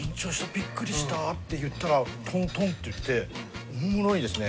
びっくりした」って言ったらトントンっていっておもむろにですね